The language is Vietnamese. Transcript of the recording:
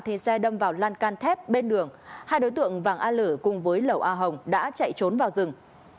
đã đâm vào lan can thép bên đường hai đối tượng vàng a l cùng với lầu a hồng đã chạy trốn vào rừng